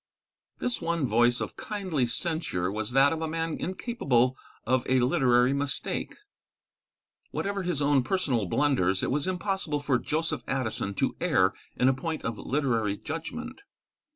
This one voice of kindly censure was that of a man incapable of a literary mistake. Whatever his own personal blunders, it was impossible for Joseph Addison to err in a point of literary judgment.